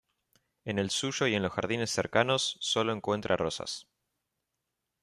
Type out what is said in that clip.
En el suyo y en los jardines cercanos sólo encuentra rosas.